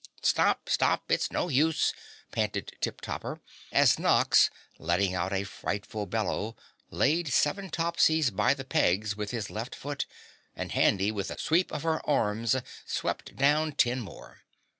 "Stop! Stop! It's no use," panted Tip Topper, as Nox letting out a frightful bellow, laid seven Topsies by the pegs with his left hind foot, and Handy with a sweep of her arms swept down ten more.